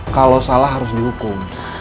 kalau salah harus dihukum